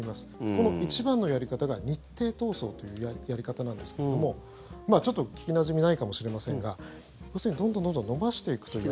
この一番のやり方が日程闘争というやり方なんですがちょっと聞きなじみがないかもしれませんが要するにどんどん延ばしていくという。